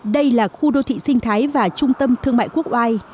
đây là khu đô thị sinh thái và trung tâm thương mại quốc oai